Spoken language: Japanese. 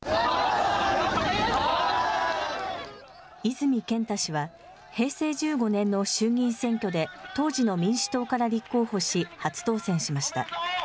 泉健太氏は、平成１５年の衆議院選挙で、当時の民主党から立候補し、初当選しました。